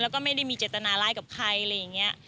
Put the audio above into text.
แล้วก็ไม่ได้มีเจตนาร้ายกับใครอะไรอย่างนี้